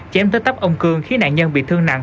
chém tới tấp ông cương khiến nạn nhân bị thương nặng